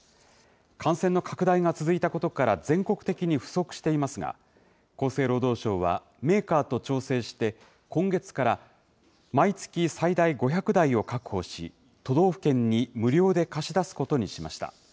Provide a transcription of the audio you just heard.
感染の拡大が続いたことから、全国的に不足していますが、厚生労働省は、メーカーと調整して、今月から毎月最大５００台を確保し、都道府県に無料で貸し出すことにしました。